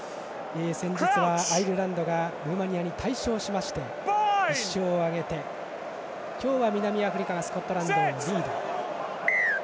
先日はアイルランドがルーマニアに大勝しまして１勝を挙げて今日は南アフリカがスコットランドをリード。